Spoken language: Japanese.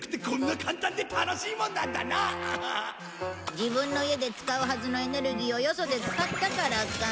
自分の家で使うはずのエネルギーをよそで使ったからか。